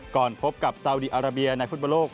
พบกับซาวดีอาราเบียในฟุตบอลโลก